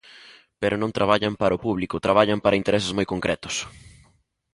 Pero non traballan para o público, traballan para intereses moi concretos.